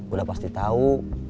udah pasti tau